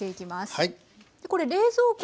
はい。